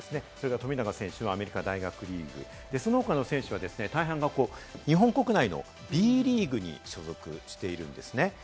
渡邊選手はＮＢＡ、富永選手はアメリカ大学リーグ、その他の選手は大半が日本国内のＢリーグに所属しています。